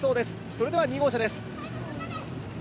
それでは２号車です。